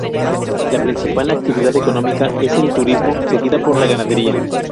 La principal actividad económica es el turismo, seguida por la ganadería.